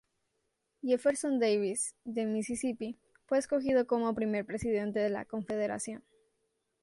Jefferson Davis, de Misisipi, fue escogido como primer Presidente de la Confederación.